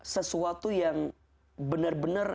sesuatu yang benar benar